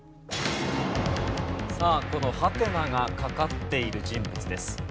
さあこのハテナがかかっている人物です。